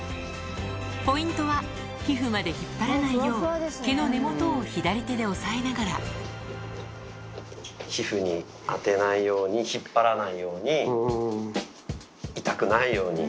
ポイントは皮膚まで引っ張らないよう毛の根本を左手で押さえながら皮膚に当てないように引っ張らないように痛くないように。